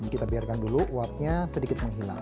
kita biarkan dulu uapnya sedikit menghilang